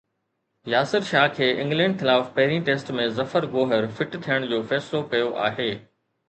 ياسر شاهه کي انگلينڊ خلاف پهرين ٽيسٽ ۾ ظفر گوهر فٽ ٿيڻ جو فيصلو ڪيو آهي